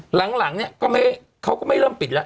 หลังเนี่ยเขาก็ไม่เริ่มปิดแล้ว